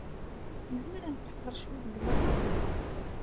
Nezmer ad nqeṣṣer cwiṭ deg beṛṛa?